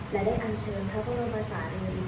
และได้อัญเชิงพระบัติศาสตร์ในวิกษา